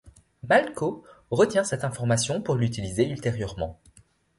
Malko retient cette information pour l'utiliser ultérieurement.